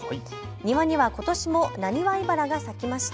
庭にはことしもナニワイバラが咲きました。